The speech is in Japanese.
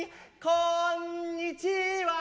こんにちは